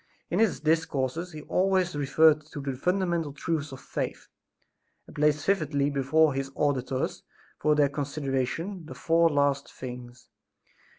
In his discourses he always reverted to the fundamental truths of faith and placed vividly before his auditors for their consideration, the four last things.